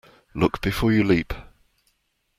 Look before you leap.